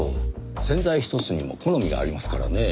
洗剤ひとつにも好みがありますからねぇ。